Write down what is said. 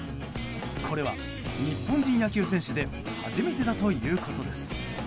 これは、日本人野球選手で初めてだということです。